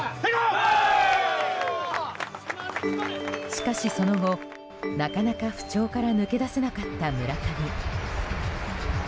しかし、その後なかなか不調から抜け出せなかった村上。